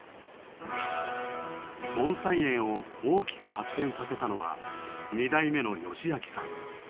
盆栽園を大きく発展させたのは２代目の義明さん。